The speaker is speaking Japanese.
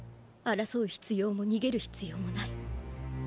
争う必要も逃げる必要もない。